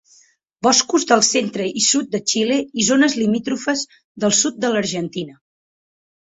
Boscos del centre i sud de Xile i zones limítrofes del sud de l'Argentina.